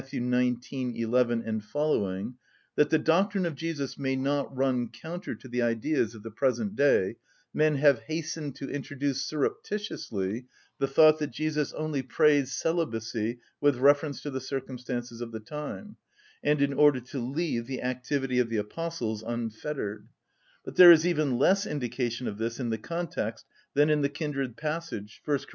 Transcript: xix. 11 seq., "That the doctrine of Jesus may not run counter to the ideas of the present day, men have hastened to introduce surreptitiously the thought that Jesus only praised celibacy with reference to the circumstances of the time, and in order to leave the activity of the Apostles unfettered; but there is even less indication of this in the context than in the kindred passage, 1 Cor.